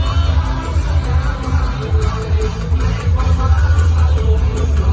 มีใครก็ไม่ต้องร้อยแต่ต้องร้อยก็ไม่ต้องร้อย